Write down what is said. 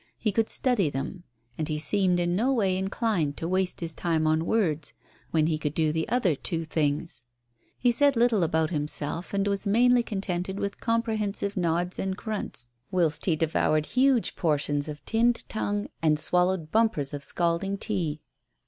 He could study them. And he seemed in no way inclined to waste his time on words when he could do the other two things. He said little about himself, and was mainly contented with comprehensive nods and grunts, whilst he devoured huge portions of tinned tongue and swallowed bumpers of scalding tea.